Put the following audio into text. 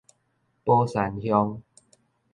寶山鄉